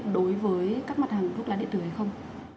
đối với các mặt hàng thuốc lá điện tử hay không